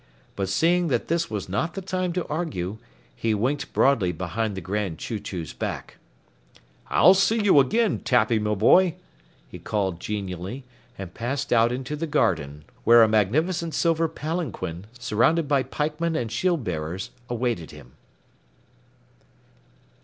But seeing this was not the time to argue, he winked broadly behind the Grand Chew Chew's back. "I'll see you again, Tappy my boy," he called genially, and passed out into the garden, where a magnificent silver palanquin, surrounded by pikemen and shieldbearers, awaited him.